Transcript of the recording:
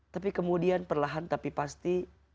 tapi kemudian perlahan tapi pasti